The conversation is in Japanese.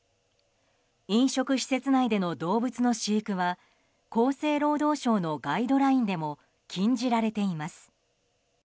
飲食施設内での動物の飼育は厚生労働省のガイドラインでも禁じられています。